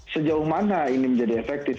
sejauh mana ini menjadi efektif